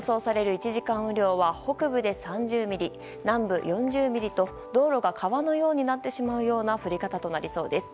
１時間雨量は北部で３０ミリ、南部４０ミリと道路が川のようになってしまうような降り方となりそうです。